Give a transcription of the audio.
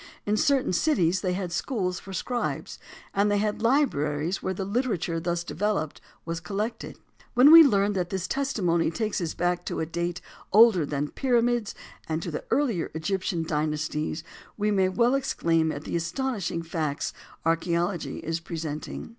In certain cities they had schools for scribes, and they had libraries where the literature thus developed was collected. When we learn that this testimony takes us back to a date older than the pyramids and to the earlier Egyptian dynasties, we may well exclaim at the astonishing facts archæology is presenting.